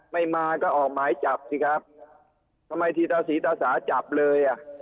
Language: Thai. ไม่มาก็ออกหมายจับสิครับทำไมทีตาศรีตาสาจับเลยอ่ะ